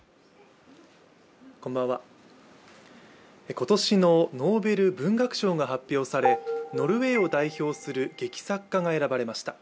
今年のノーベル文学賞が発表されノルウェーを代表する劇作家が選ばれました。